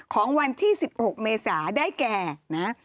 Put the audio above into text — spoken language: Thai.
ของวันที่๑๖เมษาได้แก่นะ